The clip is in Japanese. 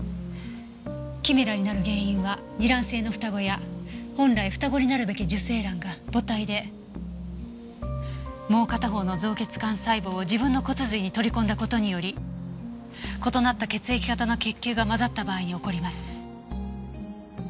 キメラになる原因は二卵性の双子や本来双子になるべき受精卵が母体でもう片方の造血幹細胞を自分の骨髄に取り込んだ事により異なった血液型の血球が混ざった場合に起こります。